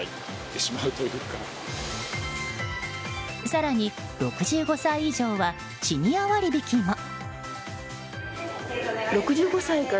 更に６５歳以上はシニア割引も。